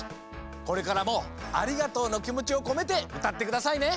これからも「ありがとう」のきもちをこめてうたってくださいね！